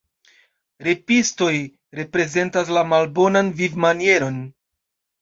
Repistoj reprezentas la malbonan vivmanieron.